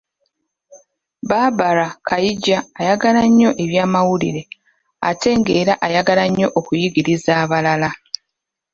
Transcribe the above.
Barbara Kaija ayagala nnyo ebyamawulire ate ng'era ayagala nnyo okuyigiriza abalala